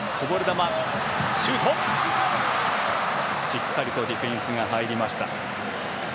しっかりとディフェンスが入りました。